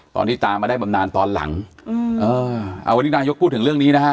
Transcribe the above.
พอที่ตามาได้บำนานตอนหลังวันนี้นายกพูดถึงเรื่องนี้นะฮะ